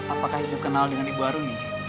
apakah ibu kenal dengan ibu aruni